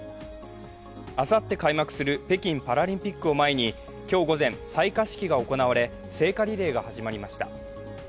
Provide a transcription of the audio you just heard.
あさって開幕する北京パラリンピックを前に採火式が行われ、聖火リレーが始まりました。